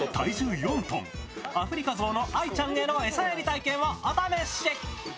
アフリカゾウのアイちゃんへの餌やり体験をお試し。